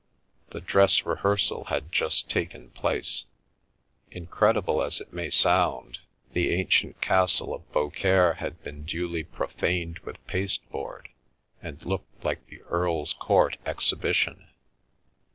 The dress rehearsal had just taken place. Incredible as it may sound, the ancient castle of Beaucaire had been duly profaned with pasteboard, and looked like the Earl's Court Exhibition.